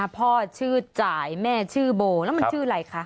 พ่อชื่อจ่ายแม่ชื่อโบแล้วมันชื่ออะไรคะ